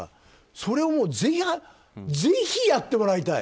それをぜひやってもらいたい。